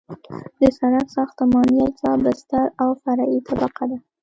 د سرک ساختماني اجزا بستر او فرعي طبقه ده